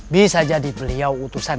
bisa jadi beliau utusan